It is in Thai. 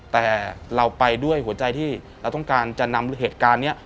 แต่เราไปด้วยหัวใจที่เราต้องการจะนำเหตุการณ์นี้